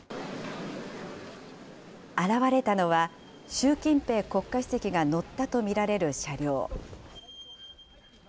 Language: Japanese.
現れたのは、習近平国家主席が乗ったと見られる車両。